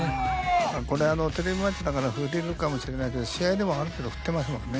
これテレビマッチだから振ってるかもしれないけど試合でもある程度振ってますもんね。